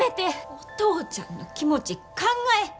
お父ちゃんの気持ち考え。